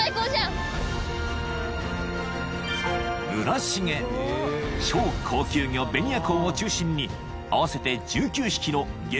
［村重超高級魚ベニアコウを中心に合わせて１９匹の激